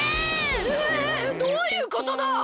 えどういうことだ！？